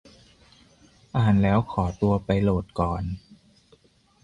อ่านแล้วขอตัวไปโหลดก่อน